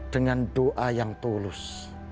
dengan doa yang tulus